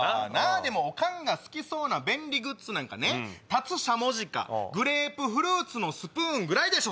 でもオカンが好きそうな便利グッズなんかね立つしゃもじかグレープフルーツのスプーンぐらいでしょ。